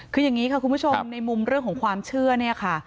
คืออย่างนี้ค่ะคุณผู้ชมในมุมเรื่องของความเชื่อเนี่ยค่ะ